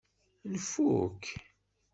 Nfuk?